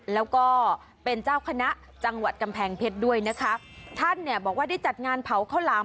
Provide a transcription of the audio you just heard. แล้วก็เป็นเจ้าคณะจังหวัดกำแพงเพชรด้วยนะคะท่านเนี่ยบอกว่าได้จัดงานเผาข้าวหลาม